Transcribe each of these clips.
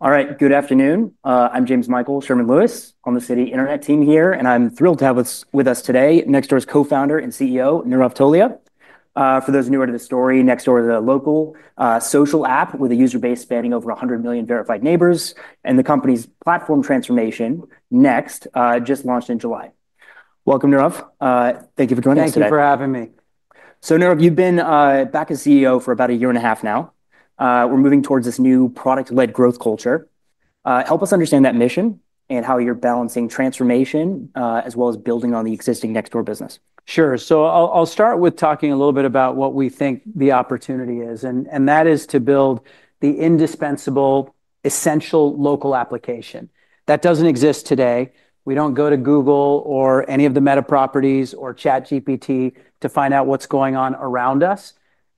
All right, good afternoon. I'm Jamesmichael Sherman-Lewis on the Citi internet team here, and I'm thrilled to have with us today Nextdoor's Co-Founder and CEO, Nirav Tolia. For those newer to this story, Nextdoor is a local social app with a user base spanning over 100 million verified neighbors, and the company's platform transformation, Next, just launched in July. Welcome, Nirav. Thank you for joining us today. Thank you for having me. Nirav, you've been back as CEO for about a year and a half now. We're moving towards this new product-led growth culture. Help us understand that mission and how you're balancing transformation as well as building on the existing Nextdoor business. Sure. I'll start with talking a little bit about what we think the opportunity is, and that is to build the indispensable, essential local application. That doesn't exist today. We don't go to Google or any of the Meta properties or ChatGPT to find out what's going on around us.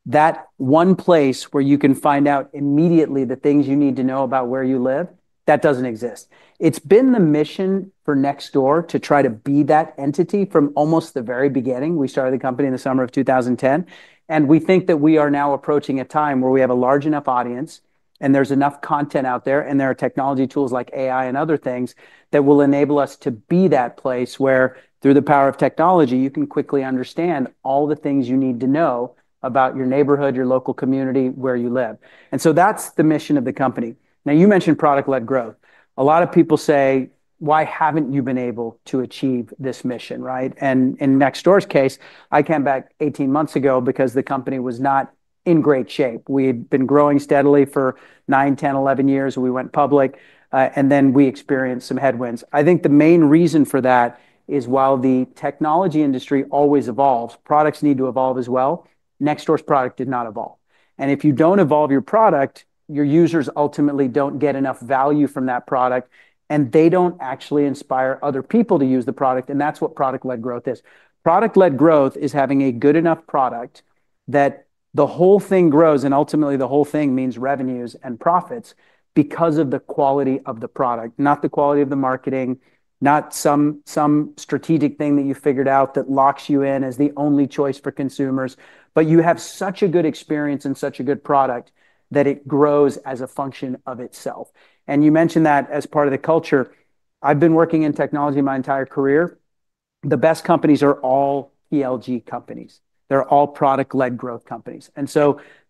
That one place where you can find out immediately the things you need to know about where you live, that doesn't exist. It's been the mission for Nextdoor to try to be that entity from almost the very beginning. We started the company in the summer of 2010, and we think that we are now approaching a time where we have a large enough audience, and there's enough content out there, and there are technology tools like AI and other things that will enable us to be that place where, through the power of technology, you can quickly understand all the things you need to know about your neighborhood, your local community, where you live. That's the mission of the company. You mentioned product-led growth. A lot of people say, why haven't you been able to achieve this mission, right? In Nextdoor's case, I came back 18 months ago because the company was not in great shape. We had been growing steadily for 9, 10, 11 years. We went public, and then we experienced some headwinds. I think the main reason for that is while the technology industry always evolves, products need to evolve as well. Nextdoor's product did not evolve. If you don't evolve your product, your users ultimately don't get enough value from that product, and they don't actually inspire other people to use the product. That's what product-led growth is. Product-led growth is having a good enough product that the whole thing grows, and ultimately the whole thing means revenues and profits because of the quality of the product, not the quality of the marketing, not some strategic thing that you figured out that locks you in as the only choice for consumers. You have such a good experience and such a good product that it grows as a function of itself. You mentioned that as part of the culture. I've been working in technology my entire career. The best companies are all PLG companies. They're all product-led growth companies.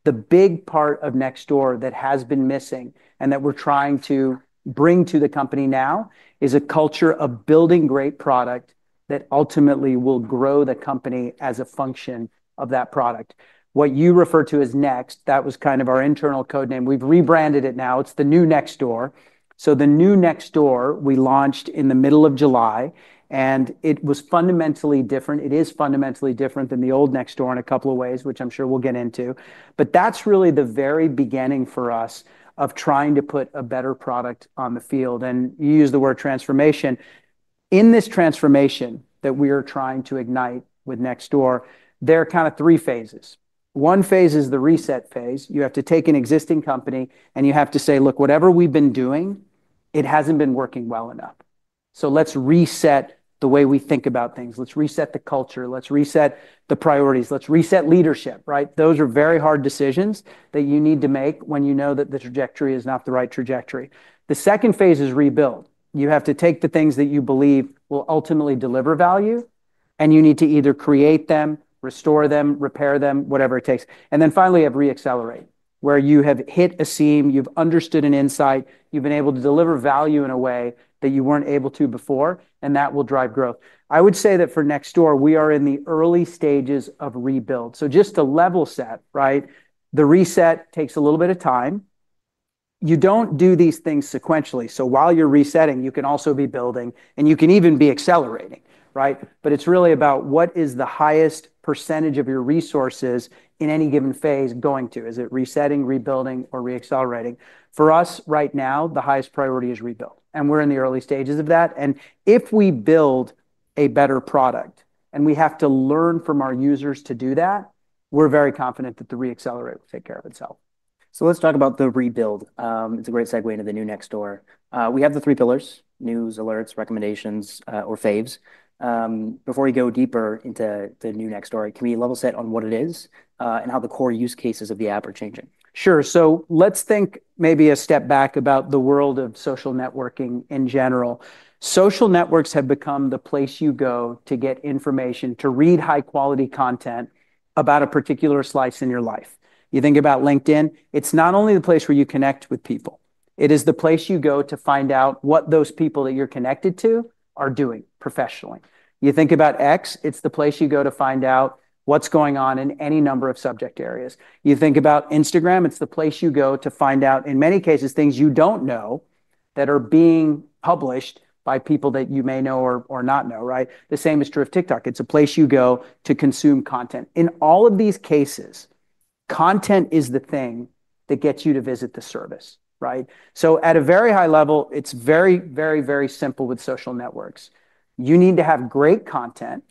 The big part of Nextdoor that has been missing and that we're trying to bring to the company now is a culture of building great product that ultimately will grow the company as a function of that product. What you refer to as Next, that was kind of our internal code name. We've rebranded it now. It's the new Nextdoor. The new Nextdoor we launched in the middle of July, and it was fundamentally different. It is fundamentally different than the old Nextdoor in a couple of ways, which I'm sure we'll get into. That's really the very beginning for us of trying to put a better product on the field. You use the word transformation. In this transformation that we are trying to ignite with Nextdoor, there are kind of three phases. One phase is the reset phase. You have to take an existing company, and you have to say, look, whatever we've been doing, it hasn't been working well enough. Let's reset the way we think about things. Let's reset the culture. Let's reset the priorities. Let's reset leadership, right? Those are very hard decisions that you need to make when you know that the trajectory is not the right trajectory. The second phase is rebuild. You have to take the things that you believe will ultimately deliver value, and you need to either create them, restore them, repair them, whatever it takes. Finally, you have reaccelerate, where you have hit a seam, you've understood an insight, you've been able to deliver value in a way that you weren't able to before, and that will drive growth. I would say that for Nextdoor, we are in the early stages of rebuild. Just to level set, right? The reset takes a little bit of time. You don't do these things sequentially. While you're resetting, you can also be building, and you can even be accelerating, right? It's really about what is the highest percentage of your resources in any given phase going to. Is it resetting, rebuilding, or reaccelerating? For us right now, the highest priority is rebuild. We're in the early stages of that. If we build a better product, and we have to learn from our users to do that, we're very confident that the reaccelerate will take care of itself. Let's talk about the rebuild. It's a great segue into the new Nextdoor. We have the three pillars: news, alerts, recommendations, or faves. Before we go deeper into the new Nextdoor, can we level set on what it is and how the core use cases of the app are changing? Sure. Let's think maybe a step back about the world of social networking in general. Social networks have become the place you go to get information, to read high-quality content about a particular slice in your life. You think about LinkedIn. It's not only the place where you connect with people. It is the place you go to find out what those people that you're connected to are doing professionally. You think about X. It's the place you go to find out what's going on in any number of subject areas. You think about Instagram. It's the place you go to find out, in many cases, things you don't know that are being published by people that you may know or not know, right? The same is true of TikTok. It's a place you go to consume content. In all of these cases, content is the thing that gets you to visit the service, right? At a very high level, it's very, very, very simple with social networks. You need to have great content,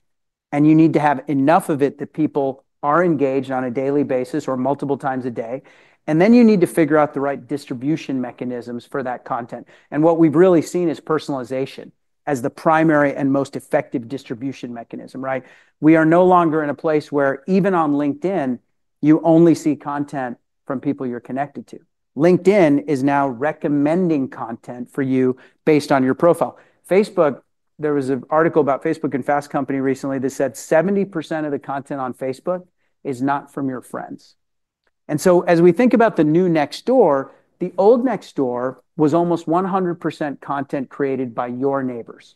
and you need to have enough of it that people are engaged on a daily basis or multiple times a day. You need to figure out the right distribution mechanisms for that content. What we've really seen is personalization as the primary and most effective distribution mechanism, right? We are no longer in a place where even on LinkedIn, you only see content from people you're connected to. LinkedIn is now recommending content for you based on your profile. Facebook, there was an article about Facebook in Fast Company recently that said 70% of the content on Facebook is not from your friends. As we think about the new Nextdoor, the old Nextdoor was almost 100% content created by your neighbors,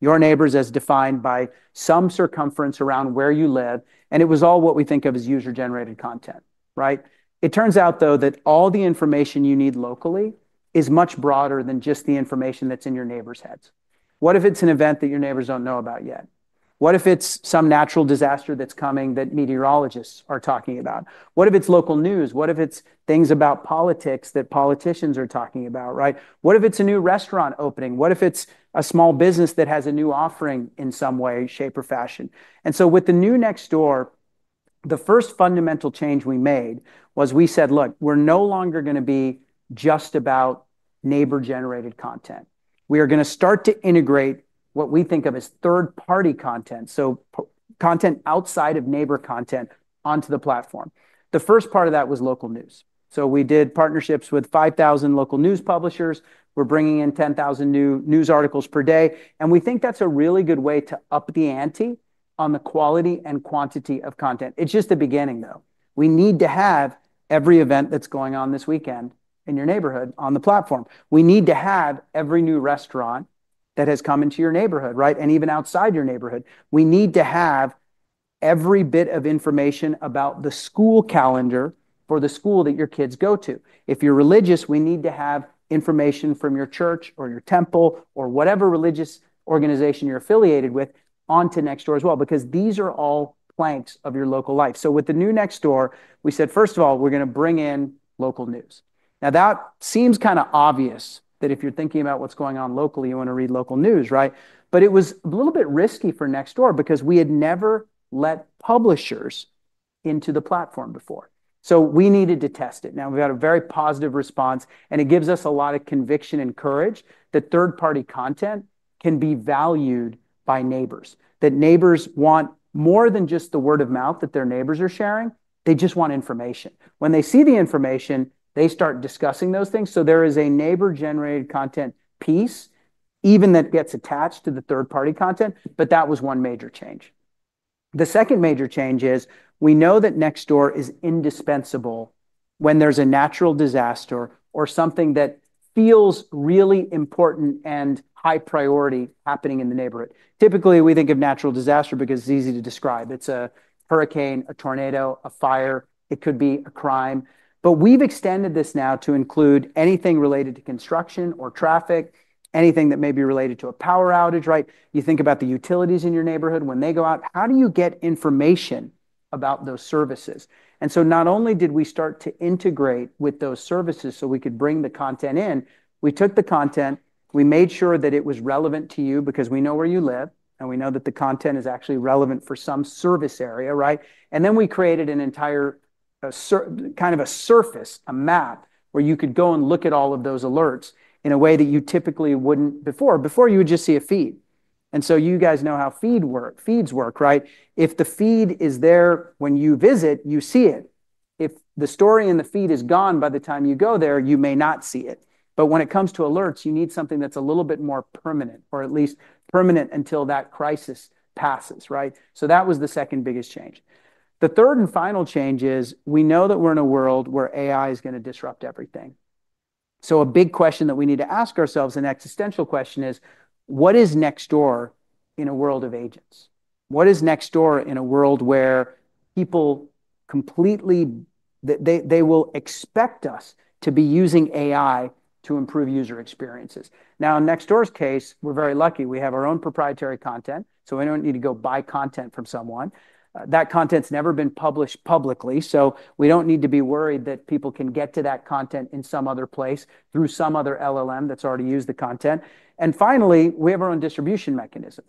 your neighbors as defined by some circumference around where you live. It was all what we think of as user-generated content, right? It turns out, though, that all the information you need locally is much broader than just the information that's in your neighbors' heads. What if it's an event that your neighbors don't know about yet? What if it's some natural disaster that's coming that meteorologists are talking about? What if it's local news? What if it's things about politics that politicians are talking about, right? What if it's a new restaurant opening? What if it's a small business that has a new offering in some way, shape, or fashion? With the new Nextdoor, the first fundamental change we made was we said, look, we're no longer going to be just about neighbor-generated content. We are going to start to integrate what we think of as third-party content, so content outside of neighbor content onto the platform. The first part of that was local news. We did partnerships with 5,000 local news publishers. We are bringing in 10,000 new news articles per day, and we think that's a really good way to up the ante on the quality and quantity of content. It's just the beginning, though. We need to have every event that's going on this weekend in your neighborhood on the platform. We need to have every new restaurant that has come into your neighborhood, right? Even outside your neighborhood, we need to have every bit of information about the school calendar or the school that your kids go to. If you're religious, we need to have information from your church or your temple or whatever religious organization you're affiliated with onto Nextdoor as well, because these are all planks of your local life. With the new Nextdoor, we said, first of all, we're going to bring in local news. That seems kind of obvious that if you're thinking about what's going on locally, you want to read local news, right? It was a little bit risky for Nextdoor because we had never let publishers into the platform before. We needed to test it. Now, we've got a very positive response, and it gives us a lot of conviction and courage that third-party content can be valued by neighbors, that neighbors want more than just the word of mouth that their neighbors are sharing. They just want information. When they see the information, they start discussing those things. There is a neighbor-generated content piece even that gets attached to the third-party content. That was one major change. The second major change is we know that Nextdoor is indispensable when there's a natural disaster or something that feels really important and high priority happening in the neighborhood. Typically, we think of natural disaster because it's easy to describe. It's a hurricane, a tornado, a fire. It could be a crime. We've extended this now to include anything related to construction or traffic, anything that may be related to a power outage, right? You think about the utilities in your neighborhood when they go out. How do you get information about those services? Not only did we start to integrate with those services so we could bring the content in, we took the content, we made sure that it was relevant to you because we know where you live, and we know that the content is actually relevant for some service area, right? We created an entire kind of a surface, a map where you could go and look at all of those alerts in a way that you typically wouldn't before. Previously, you would just see a feed. You guys know how feeds work, right? If the feed is there when you visit, you see it. If the story in the feed is gone by the time you go there, you may not see it. When it comes to alerts, you need something that's a little bit more permanent, or at least permanent until that crisis passes, right? That was the second biggest change. The third and final change is we know that we're in a world where AI is going to disrupt everything. A big question that we need to ask ourselves, an existential question, is what is Nextdoor in a world of agents? What is Nextdoor in a world where people completely, they will expect us to be using AI to improve user experiences? In Nextdoor's case, we're very lucky. We have our own proprietary content, so we don't need to go buy content from someone. That content's never been published publicly, so we don't need to be worried that people can get to that content in some other place through some other LLM that's already used the content. We have our own distribution mechanism.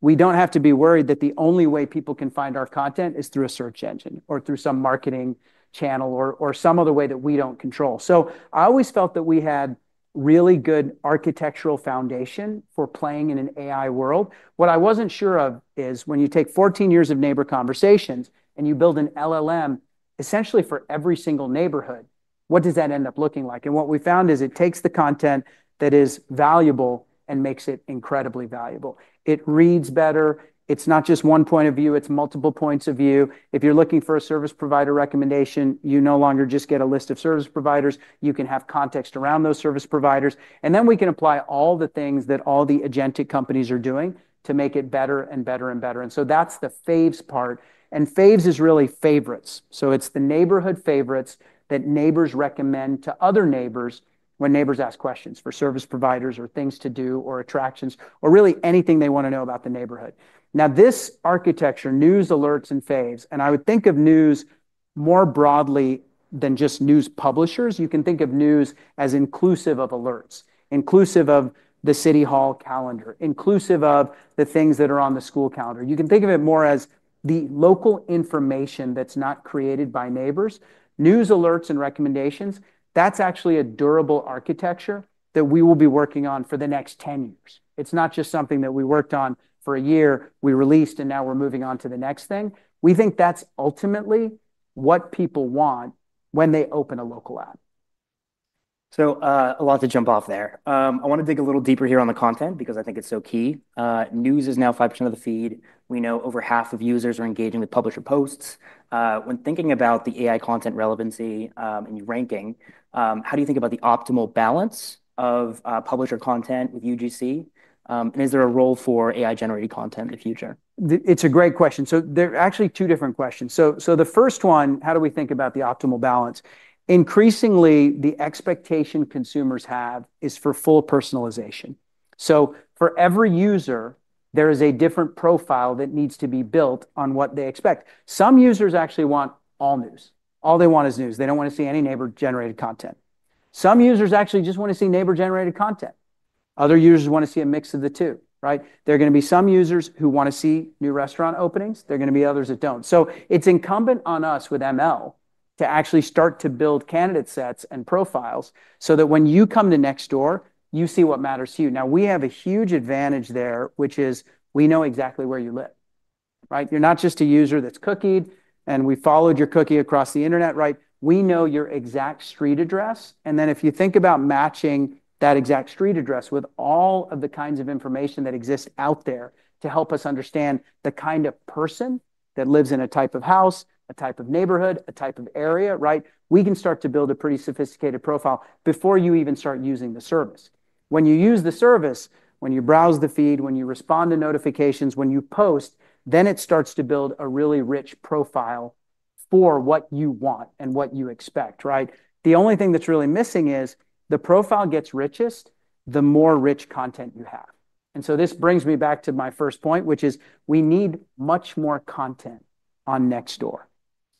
We don't have to be worried that the only way people can find our content is through a search engine or through some marketing channel or some other way that we don't control. I always felt that we had a really good architectural foundation for playing in an AI world. What I wasn't sure of is when you take 14 years of neighbor conversations and you build an LLM essentially for every single neighborhood, what does that end up looking like? What we found is it takes the content that is valuable and makes it incredibly valuable. It reads better. It's not just one point of view; it's multiple points of view. If you're looking for a service provider recommendation, you no longer just get a list of service providers. You can have context around those service providers. We can apply all the things that all the agentic companies are doing to make it better and better and better. That's the faves part. Faves is really favorites. It's the neighborhood favorites that neighbors recommend to other neighbors when neighbors ask questions for service providers or things to do or attractions or really anything they want to know about the neighborhood. This architecture, news, alerts, and faves, and I would think of news more broadly than just news publishers. You can think of news as inclusive of alerts, inclusive of the city hall calendar, inclusive of the things that are on the school calendar. You can think of it more as the local information that's not created by neighbors. News, alerts, and recommendations, that's actually a durable architecture that we will be working on for the next 10 years. It's not just something that we worked on for a year, we released, and now we're moving on to the next thing. We think that's ultimately what people want when they open a local app. A lot to jump off there. I want to dig a little deeper here on the content because I think it's so key. News is now 5% of the feed. We know over half of users are engaging with publisher posts. When thinking about the AI content relevancy and your ranking, how do you think about the optimal balance of publisher content with UGC? Is there a role for AI-generated content in the future? It's a great question. There are actually two different questions. The first one, how do we think about the optimal balance? Increasingly, the expectation consumers have is for full personalization. For every user, there is a different profile that needs to be built on what they expect. Some users actually want all news. All they want is news. They don't want to see any neighbor-generated content. Some users actually just want to see neighbor-generated content. Other users want to see a mix of the two, right? There are going to be some users who want to see new restaurant openings. There are going to be others that don't. It's incumbent on us with ML to actually start to build candidate sets and profiles so that when you come to Nextdoor, you see what matters to you. We have a huge advantage there, which is we know exactly where you live, right? You're not just a user that's cookied, and we followed your cookie across the internet, right? We know your exact street address. If you think about matching that exact street address with all of the kinds of information that exists out there to help us understand the kind of person that lives in a type of house, a type of neighborhood, a type of area, right? We can start to build a pretty sophisticated profile before you even start using the service. When you use the service, when you browse the feed, when you respond to notifications, when you post, then it starts to build a really rich profile for what you want and what you expect, right? The only thing that's really missing is the profile gets richest the more rich content you have. This brings me back to my first point, which is we need much more content on Nextdoor.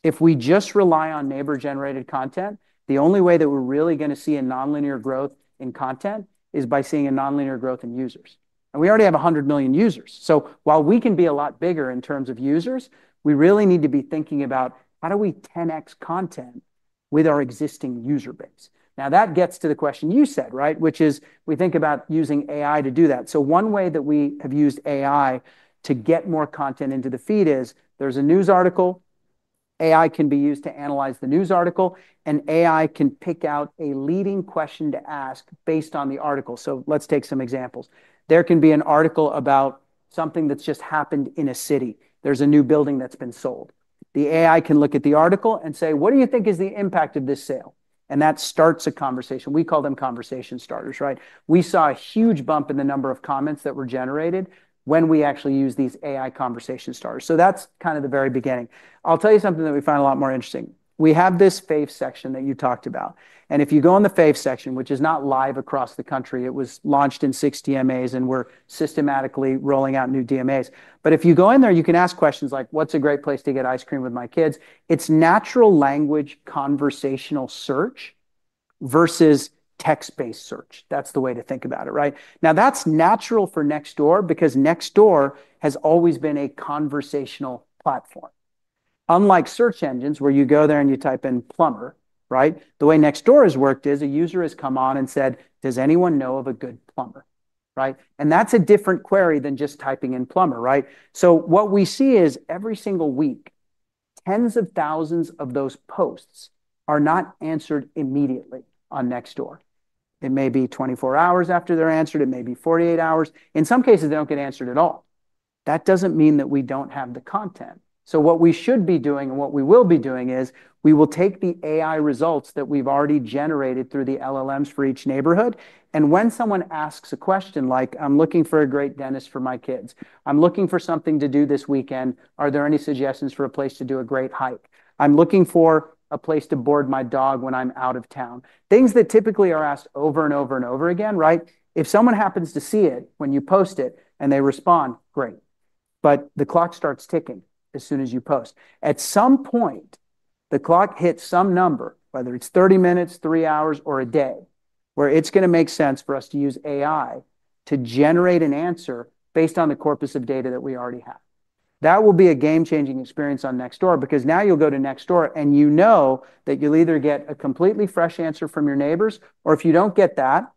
If we just rely on neighbor-generated content, the only way that we're really going to see a nonlinear growth in content is by seeing a nonlinear growth in users. We already have 100 million users. While we can be a lot bigger in terms of users, we really need to be thinking about how do we 10x content with our existing user base. That gets to the question you said, right? We think about using AI to do that. One way that we have used AI to get more content into the feed is there's a news article. AI can be used to analyze the news article, and AI can pick out a leading question to ask based on the article. Let's take some examples. There can be an article about something that's just happened in a city. There's a new building that's been sold. The AI can look at the article and say, what do you think is the impact of this sale? That starts a conversation. We call them conversation starters, right? We saw a huge bump in the number of comments that were generated when we actually use these AI conversation starters. That's kind of the very beginning. I'll tell you something that we find a lot more interesting. We have this faves section that you talked about. If you go in the faves section, which is not live across the country, it was launched in six DMAs, and we're systematically rolling out new DMAs. If you go in there, you can ask questions like, what's a great place to get ice cream with my kids? It's natural language conversational search versus text-based search. That's the way to think about it, right? Now, that's natural for Nextdoor because Nextdoor has always been a conversational platform. Unlike search engines where you go there and you type in plumber, right? The way Nextdoor has worked is a user has come on and said, does anyone know of a good plumber, right? That's a different query than just typing in plumber, right? What we see is every single week, tens of thousands of those posts are not answered immediately on Nextdoor. It may be 24 hours after they're answered. It may be 48 hours. In some cases, they don't get answered at all. That doesn't mean that we don't have the content. What we should be doing and what we will be doing is we will take the AI results that we've already generated through the LLMs for each neighborhood. When someone asks a question like, I'm looking for a great dentist for my kids, I'm looking for something to do this weekend, are there any suggestions for a place to do a great hike? I'm looking for a place to board my dog when I'm out of town, things that typically are asked over and over and over again, right? If someone happens to see it when you post it and they respond, great. The clock starts ticking as soon as you post. At some point, the clock hits some number, whether it's 30 minutes, three hours, or a day, where it's going to make sense for us to use AI to generate an answer based on the corpus of data that we already have. That will be a game-changing experience on Nextdoor because now you'll go to Nextdoor and you know that you'll either get a completely fresh answer from your neighbors, or if you don't get that,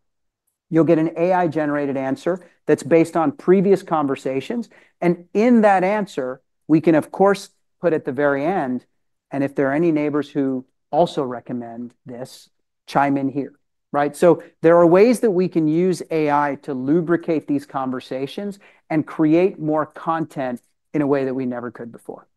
you'll get an AI-generated answer that's based on previous conversations. In that answer, we can, of course, put at the very end, and if there are any neighbors who also recommend this, chime in here, right? There are ways that we can use AI to lubricate these conversations and create more content in a way that we never could before.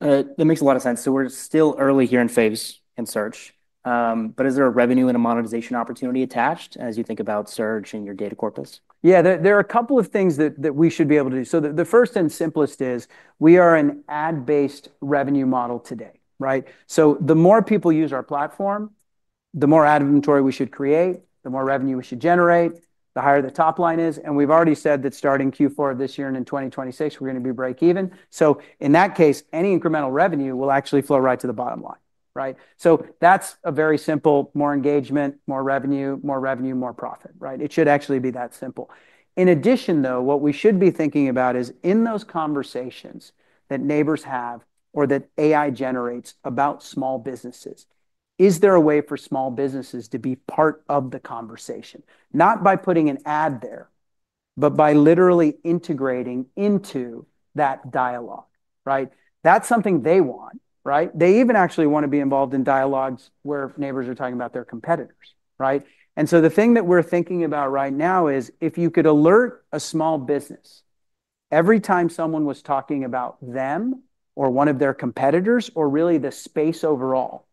That makes a lot of sense. We're still early here in faves and search, but is there a revenue and a monetization opportunity attached as you think about search and your data corpus? Yeah, there are a couple of things that we should be able to do. The first and simplest is we are an ad-based revenue model today, right? The more people use our platform, the more ad inventory we should create, the more revenue we should generate, the higher the top line is. We've already said that starting Q4 of this year and in 2026, we're going to be break-even. In that case, any incremental revenue will actually flow right to the bottom line, right? That's a very simple, more engagement, more revenue, more revenue, more profit, right? It should actually be that simple. In addition, what we should be thinking about is in those conversations that neighbors have or that AI generates about small businesses, is there a way for small businesses to be part of the conversation, not by putting an ad there, but by literally integrating into that dialogue, right? That's something they want, right? They even actually want to be involved in dialogues where neighbors are talking about their competitors, right? The thing that we're thinking about right now is if you could alert a small business every time someone was talking about them or one of their competitors or really the space overall,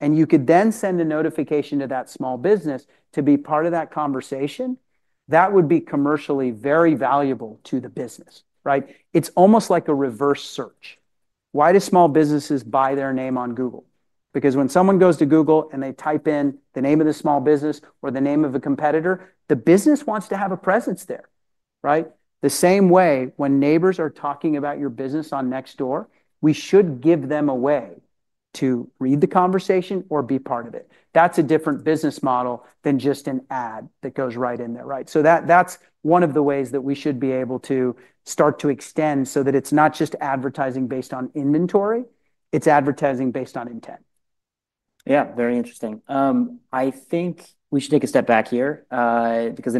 and you could then send a notification to that small business to be part of that conversation, that would be commercially very valuable to the business, right? It's almost like a reverse search. Why do small businesses buy their name on Google? Because when someone goes to Google and they type in the name of the small business or the name of a competitor, the business wants to have a presence there, right? The same way when neighbors are talking about your business on Nextdoor, we should give them a way to read the conversation or be part of it. That's a different business model than just an ad that goes right in there, right? That's one of the ways that we should be able to start to extend so that it's not just advertising based on inventory, it's advertising based on intent. Yeah, very interesting. I think we should take a step back here because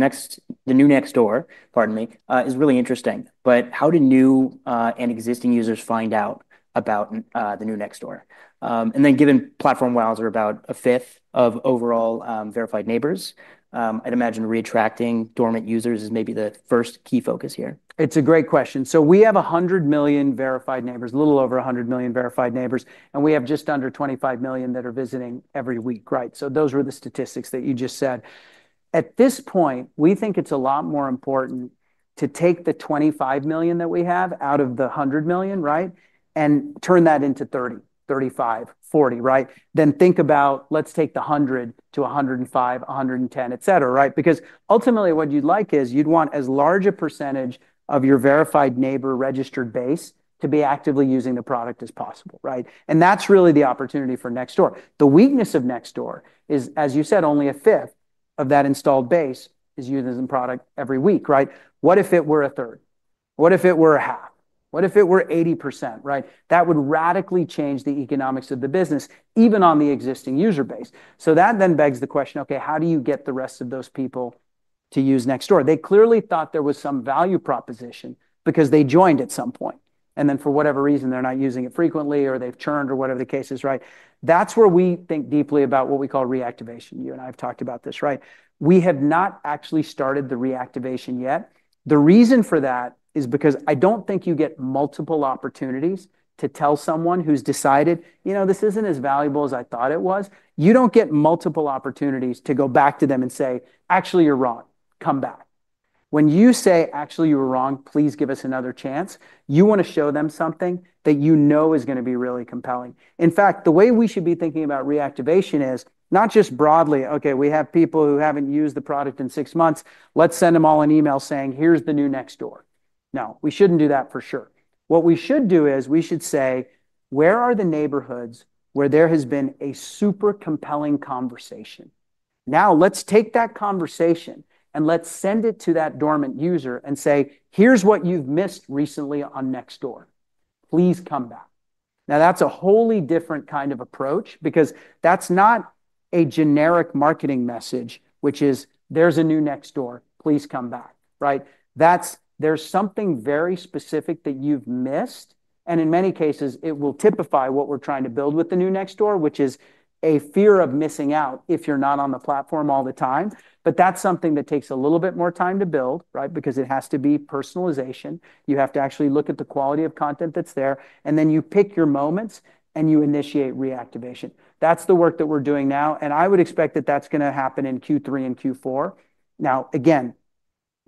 the new Nextdoor, pardon me, is really interesting. How do new and existing users find out about the new Nextdoor? Given platform wilds are about a fifth of overall verified neighbors, I'd imagine reattracting dormant users is maybe the first key focus here. It's a great question. We have 100 million verified neighbors, a little over 100 million verified neighbors, and we have just under 25 million that are visiting every week, right? Those were the statistics that you just said. At this point, we think it's a lot more important to take the 25 million that we have out of the 100 million, right, and turn that into 30 million, 35 million, 40 million, right? Think about let's take the 100 million-105 million, 110 million, etc., right? Ultimately, what you'd like is you'd want as large a percentage of your verified neighbor registered base to be actively using the product as possible, right? That's really the opportunity for Nextdoor. The weakness of Nextdoor is, as you said, only a fifth of that installed base is using the product every week, right? What if it were a third? What if it were a half? What if it were 80%, right? That would radically change the economics of the business, even on the existing user base. That then begs the question, OK, how do you get the rest of those people to use Nextdoor? They clearly thought there was some value proposition because they joined at some point. For whatever reason, they're not using it frequently or they've churned or whatever the case is, right? That's where we think deeply about what we call reactivation. You and I have talked about this, right? We have not actually started the reactivation yet. The reason for that is because I don't think you get multiple opportunities to tell someone who's decided, you know, this isn't as valuable as I thought it was. You don't get multiple opportunities to go back to them and say, actually, you're wrong. Come back. When you say, actually, you were wrong, please give us another chance, you want to show them something that you know is going to be really compelling. In fact, the way we should be thinking about reactivation is not just broadly, OK, we have people who haven't used the product in six months. Let's send them all an email saying, here's the new Nextdoor. No, we shouldn't do that for sure. What we should do is we should say, where are the neighborhoods where there has been a super compelling conversation? Now, let's take that conversation and let's send it to that dormant user and say, here's what you've missed recently on Nextdoor. Please come back. That's a wholly different kind of approach because that's not a generic marketing message, which is, there's a new Nextdoor. Please come back, right? There's something very specific that you've missed. In many cases, it will typify what we're trying to build with the new Nextdoor, which is a fear of missing out if you're not on the platform all the time. That's something that takes a little bit more time to build, right? It has to be personalization. You have to actually look at the quality of content that's there. Then you pick your moments and you initiate reactivation. That's the work that we're doing now. I would expect that that's going to happen in Q3 and Q4.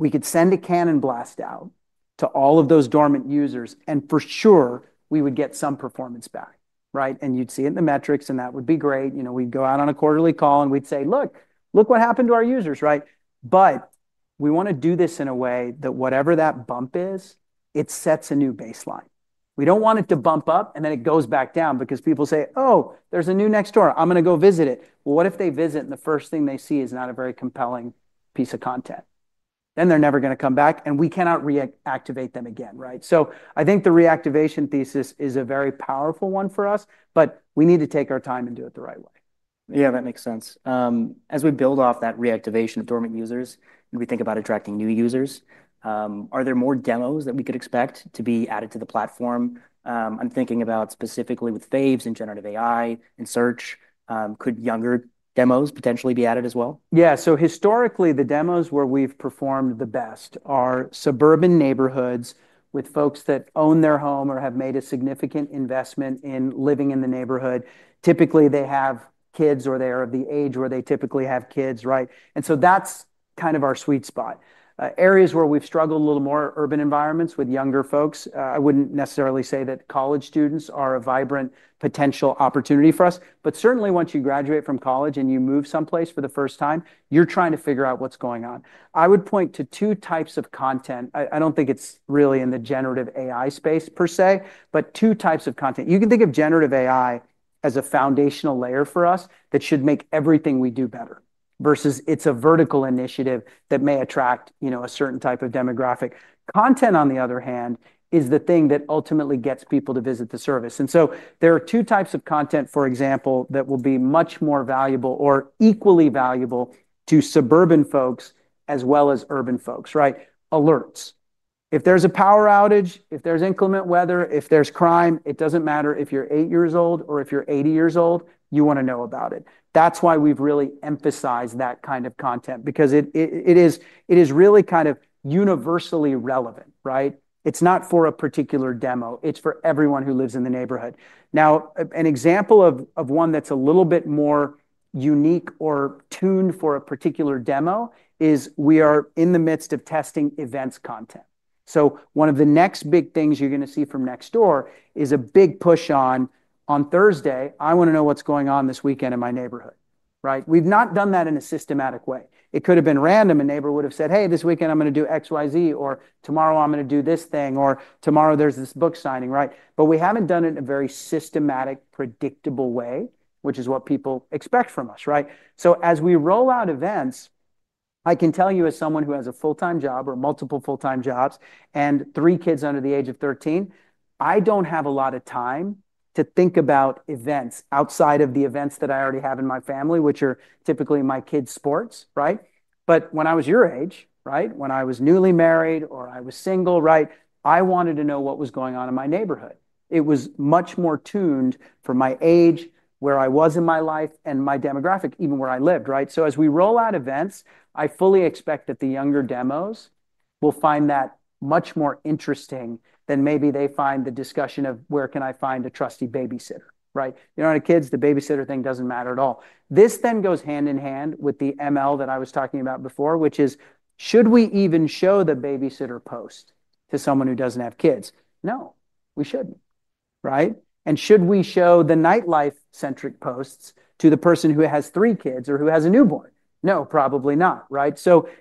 We could send a cannon blast out to all of those dormant users. For sure, we would get some performance back, right? You'd see it in the metrics. That would be great. We'd go out on a quarterly call and we'd say, look, look what happened to our users, right? We want to do this in a way that whatever that bump is, it sets a new baseline. We don't want it to bump up and then it goes back down because people say, oh, there's a new Nextdoor. I'm going to go visit it. If they visit and the first thing they see is not a very compelling piece of content, then they're never going to come back. We cannot reactivate them again, right? I think the reactivation thesis is a very powerful one for us. We need to take our time and do it the right way. Yeah, that makes sense. As we build off that reactivation of dormant users and we think about attracting new users, are there more demos that we could expect to be added to the platform? I'm thinking about specifically with faves and generative AI and search. Could younger demos potentially be added as well? Yeah, so historically, the demos where we've performed the best are suburban neighborhoods with folks that own their home or have made a significant investment in living in the neighborhood. Typically, they have kids or they are of the age where they typically have kids, right? That's kind of our sweet spot. Areas where we've struggled a little more are urban environments with younger folks. I wouldn't necessarily say that college students are a vibrant potential opportunity for us. Certainly, once you graduate from college and you move someplace for the first time, you're trying to figure out what's going on. I would point to two types of content. I don't think it's really in the generative AI space per se, but two types of content. You can think of generative AI as a foundational layer for us that should make everything we do better versus it's a vertical initiative that may attract a certain type of demographic. Content, on the other hand, is the thing that ultimately gets people to visit the service. There are two types of content, for example, that will be much more valuable or equally valuable to suburban folks as well as urban folks, right? Alerts. If there's a power outage, if there's inclement weather, if there's crime, it doesn't matter if you're eight years old or if you're 80 years old. You want to know about it. That's why we've really emphasized that kind of content because it is really kind of universally relevant, right? It's not for a particular demo. It's for everyone who lives in the neighborhood. Now, an example of one that's a little bit more unique or tuned for a particular demo is we are in the midst of testing events content. One of the next big things you're going to see from Nextdoor is a big push on Thursday. I want to know what's going on this weekend in my neighborhood, right? We've not done that in a systematic way. It could have been random. A neighbor would have said, hey, this weekend I'm going to do XYZ, or tomorrow I'm going to do this thing, or tomorrow there's this book signing, right? We haven't done it in a very systematic, predictable way, which is what people expect from us, right? As we roll out events, I can tell you as someone who has a full-time job or multiple full-time jobs and three kids under the age of 13, I don't have a lot of time to think about events outside of the events that I already have in my family, which are typically my kids' sports, right? When I was your age, when I was newly married or I was single, I wanted to know what was going on in my neighborhood. It was much more tuned for my age, where I was in my life, and my demographic, even where I lived. As we roll out events, I fully expect that the younger demos will find that much more interesting than maybe they find the discussion of where can I find a trusty babysitter. If you don't have kids, the babysitter thing doesn't matter at all. This goes hand in hand with the ML that I was talking about before, which is, should we even show the babysitter post to someone who doesn't have kids? No, we shouldn't. Should we show the nightlife-centric posts to the person who has three kids or who has a newborn? No, probably not.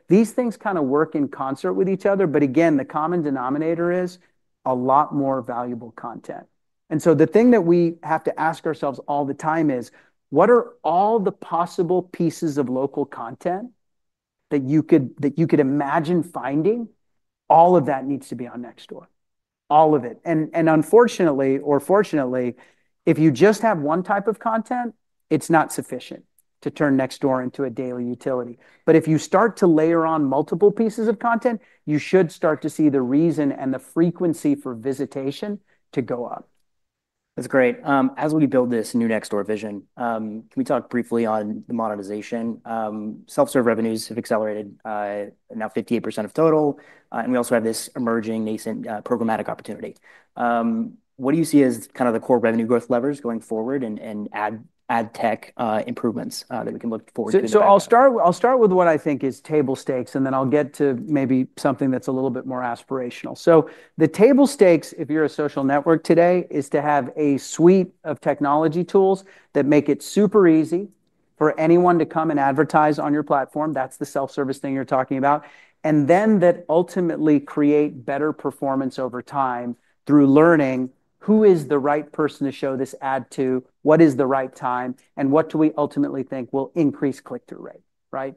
These things kind of work in concert with each other. The common denominator is a lot more valuable content. The thing that we have to ask ourselves all the time is, what are all the possible pieces of local content that you could imagine finding? All of that needs to be on Nextdoor, all of it. Unfortunately, or fortunately, if you just have one type of content, it's not sufficient to turn Nextdoor into a daily utility. If you start to layer on multiple pieces of content, you should start to see the reason and the frequency for visitation to go up. That's great. As we build this new Nextdoor vision, can we talk briefly on the monetization? Self-serve revenues have accelerated, now 58% of total. We also have this emerging nascent programmatic opportunity. What do you see as kind of the core revenue growth levers going forward and ad tech improvements that we can look forward to? I'll start with what I think is table stakes, and then I'll get to maybe something that's a little bit more aspirational. The table stakes, if you're a social network today, is to have a suite of technology tools that make it super easy for anyone to come and advertise on your platform. That's the self-service thing you're talking about. That ultimately creates better performance over time through learning who is the right person to show this ad to, what is the right time, and what do we ultimately think will increase click-through rate, right?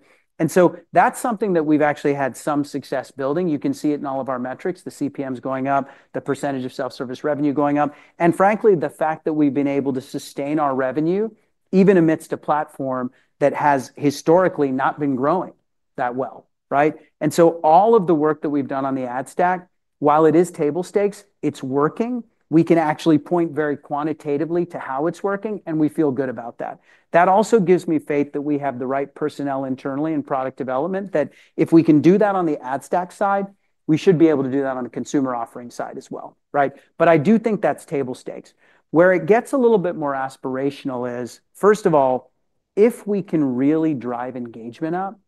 That's something that we've actually had some success building. You can see it in all of our metrics, the CPMs going up, the percentage of self-service revenue going up, and frankly, the fact that we've been able to sustain our revenue even amidst a platform that has historically not been growing that well, right? All of the work that we've done on the ad tech stack, while it is table stakes, it's working. We can actually point very quantitatively to how it's working, and we feel good about that. That also gives me faith that we have the right personnel internally in product development that if we can do that on the ad tech stack side, we should be able to do that on the consumer offering side as well, right? I do think that's table stakes. Where it gets a little bit more aspirational is, first of all, if we can really drive engagement up,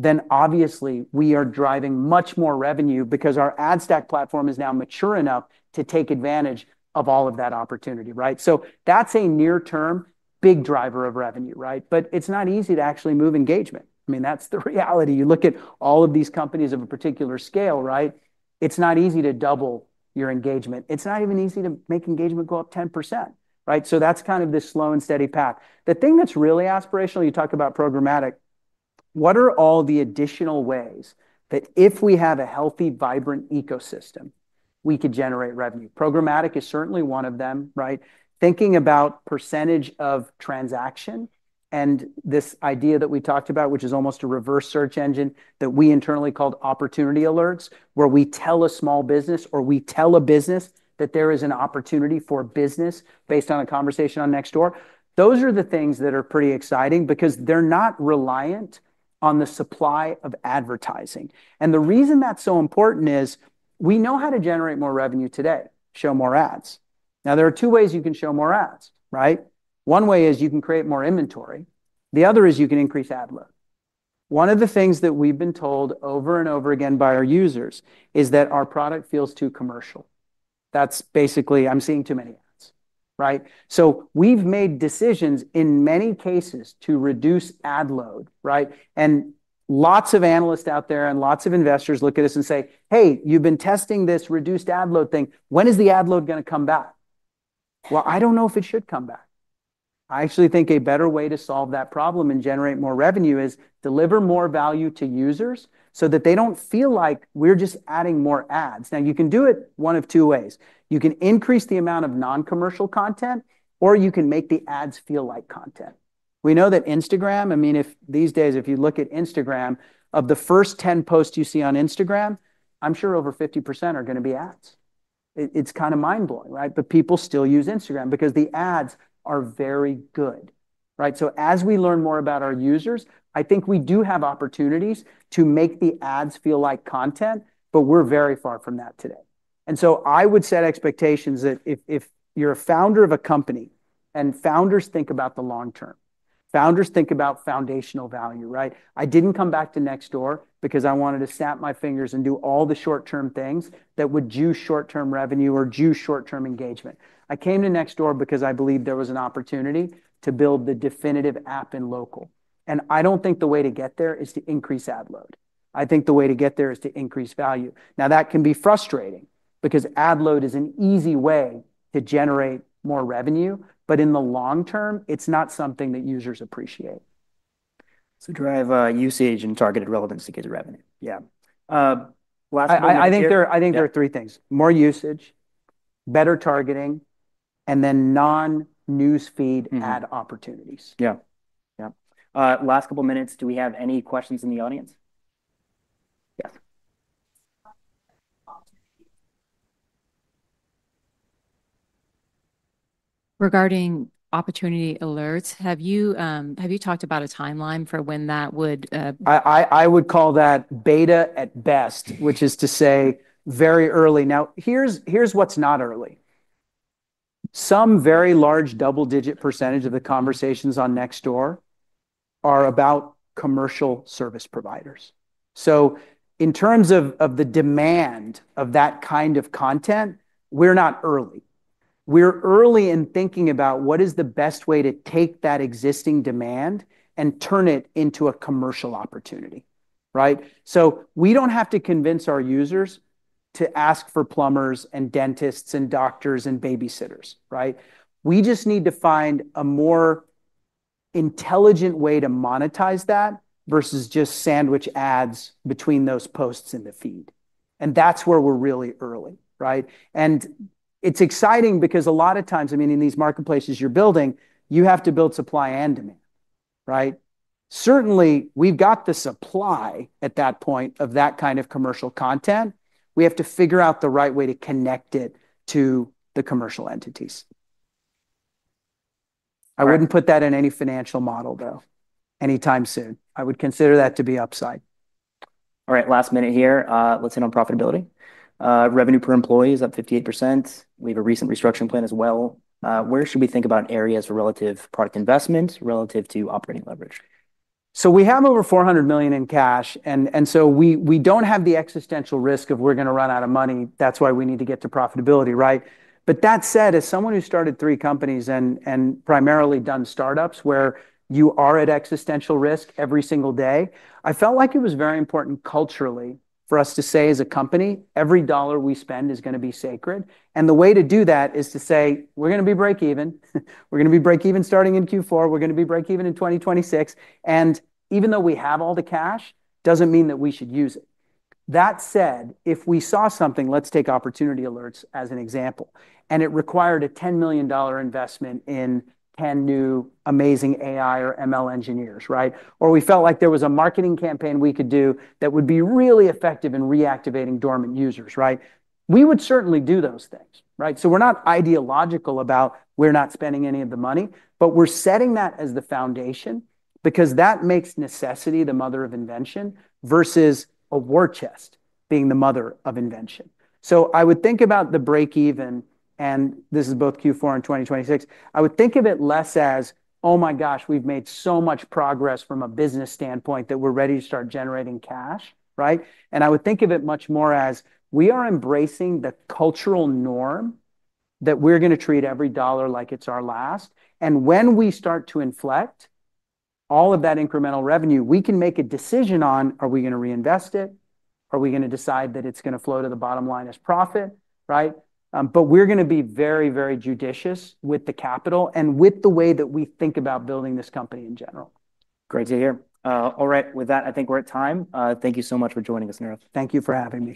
then obviously we are driving much more revenue because our ad tech stack platform is now mature enough to take advantage of all of that opportunity, right? That's a near-term big driver of revenue, right? It's not easy to actually move engagement. I mean, that's the reality. You look at all of these companies of a particular scale, right? It's not easy to double your engagement. It's not even easy to make engagement go up 10%, right? That's kind of this slow and steady path. The thing that's really aspirational, you talk about programmatic, what are all the additional ways that if we have a healthy, vibrant ecosystem, we could generate revenue? Programmatic is certainly one of them, right? Thinking about percentage of transaction and this idea that we talked about, which is almost a reverse search engine that we internally called opportunity alerts, where we tell a small business or we tell a business that there is an opportunity for business based on a conversation on Nextdoor, those are the things that are pretty exciting because they're not reliant on the supply of advertising. The reason that's so important is we know how to generate more revenue today, show more ads. There are two ways you can show more ads, right? One way is you can create more inventory. The other is you can increase ad load. One of the things that we've been told over and over again by our users is that our product feels too commercial. That's basically, I'm seeing too many ads, right? We've made decisions in many cases to reduce ad load, right? Lots of analysts out there and lots of investors look at us and say, hey, you've been testing this reduced ad load thing. When is the ad load going to come back? I don't know if it should come back. I actually think a better way to solve that problem and generate more revenue is deliver more value to users so that they don't feel like we're just adding more ads. You can do it one of two ways. You can increase the amount of non-commercial content, or you can make the ads feel like content. We know that Instagram, I mean, if these days, if you look at Instagram, of the first 10 posts you see on Instagram, I'm sure over 50% are going to be ads. It's kind of mind-blowing, right? People still use Instagram because the ads are very good, right? As we learn more about our users, I think we do have opportunities to make the ads feel like content, but we're very far from that today. I would set expectations that if you're a founder of a company and founders think about the long term, founders think about foundational value, right? I didn't come back to Nextdoor because I wanted to snap my fingers and do all the short-term things that would juice short-term revenue or juice short-term engagement. I came to Nextdoor because I believed there was an opportunity to build the definitive app in local. I don't think the way to get there is to increase ad load. I think the way to get there is to increase value. That can be frustrating because ad load is an easy way to generate more revenue. In the long term, it's not something that users appreciate. Drive usage and targeted relevance to get revenue. Yeah. I think there are three things: more usage, better targeting, and then non-news feed ad opportunities. Yeah. Last couple of minutes, do we have any questions in the audience? Regarding opportunity alerts, have you talked about a timeline for when that would? I would call that beta at best, which is to say very early. Now, here's what's not early. Some very large double-digit percentage of the conversations on Nextdoor are about commercial service providers. In terms of the demand of that kind of content, we're not early. We're early in thinking about what is the best way to take that existing demand and turn it into a commercial opportunity, right? We don't have to convince our users to ask for plumbers and dentists and doctors and babysitters, right? We just need to find a more intelligent way to monetize that versus just sandwich ads between those posts in the feed. That's where we're really early, right? It's exciting because a lot of times, in these marketplaces you're building, you have to build supply and demand, right? Certainly, we've got the supply at that point of that kind of commercial content. We have to figure out the right way to connect it to the commercial entities. I wouldn't put that in any financial model, though, anytime soon. I would consider that to be upside. All right, last minute here. Let's hit on profitability. Revenue per employee is up 58%. We have a recent restructuring plan as well. Where should we think about an area as relative product investment relative to operating leverage? We have over $400 million in cash, and we don't have the existential risk of we're going to run out of money. That's why we need to get to profitability, right? That said, as someone who started three companies and primarily done startups where you are at existential risk every single day, I felt like it was very important culturally for us to say as a company, every dollar we spend is going to be sacred. The way to do that is to say, we're going to be break-even. We're going to be break-even starting in Q4. We're going to be break-even in 2026. Even though we have all the cash, it doesn't mean that we should use it. That said, if we saw something, let's take opportunity alerts as an example, and it required a $10 million investment in 10 new amazing AI or ML engineers, right? Or we felt like there was a marketing campaign we could do that would be really effective in reactivating dormant users, right? We would certainly do those things, right? We're not ideological about we're not spending any of the money, but we're setting that as the foundation because that makes necessity the mother of invention versus a war chest being the mother of invention. I would think about the break-even, and this is both Q4 and 2026. I would think of it less as, oh my gosh, we've made so much progress from a business standpoint that we're ready to start generating cash, right? I would think of it much more as we are embracing the cultural norm that we're going to treat every dollar like it's our last. When we start to inflect all of that incremental revenue, we can make a decision on, are we going to reinvest it? Are we going to decide that it's going to flow to the bottom line as profit, right? We're going to be very, very judicious with the capital and with the way that we think about building this company in general. Great to hear. All right, with that, I think we're at time. Thank you so much for joining us, Nirav. Thank you for having me.